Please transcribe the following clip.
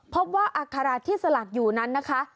ว่าอัคระที่สลักอยู่นั้นนะคะ